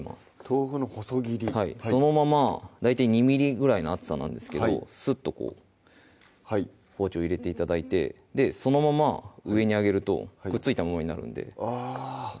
豆腐の細切りはいそのまま大体２ｍｍぐらいの厚さなんですけどスッとこう包丁入れて頂いてそのまま上に上げるとくっついたままになるのであ